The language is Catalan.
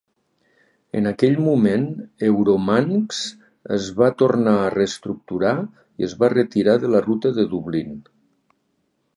En aquell moment, EuroManx es va tornar a reestructurar i es va retirar de la ruta de Dublin.